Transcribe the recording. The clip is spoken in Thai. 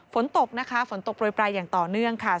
ฝนตกนะคะฝนตกโปรยปลายอย่างต่อเนื่องค่ะ